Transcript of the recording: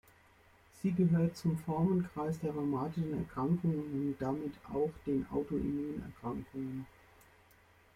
Sie gehört zum Formenkreis der rheumatischen Erkrankungen und damit auch den Autoimmunerkrankungen.